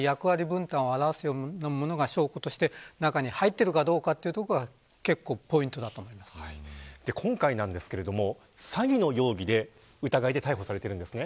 あるいは役割分担を表すようなものが証拠として中に入っているかどうかというところが今回ですが詐欺の疑いで逮捕されています。